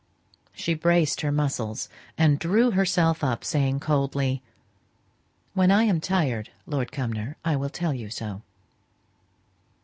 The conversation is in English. She braced her muscles, and drew herself up, saying coldly, "When I am tired, Lord Cumnor, I will tell you so."